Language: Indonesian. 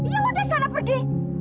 ya udah sana pergi